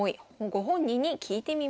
ご本人に聞いてみました。